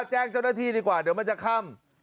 แจ้งเจ้าหน้าที่ดีกว่าเดี๋ยวมันจะค่ำ